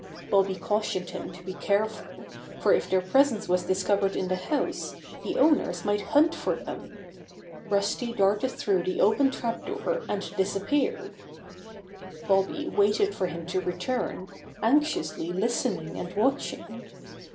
Bobby cautioned him to be careful, for if their presence was discovered in the house the owners might hunt for them. Rusty darted through the open trap door and disappeared. Bobby waited for him to return, anxiously listening and watching.